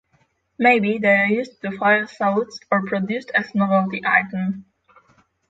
Maybe they are used to fire salutes or produced as novelty item.